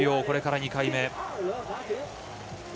これから２回目。